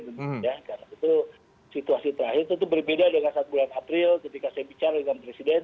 karena situasi terakhir itu berbeda dengan saat bulan april ketika saya bicara dengan presiden